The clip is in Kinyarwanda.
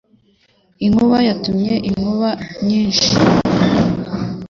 Inkuba yatumye inkuba nyinshi.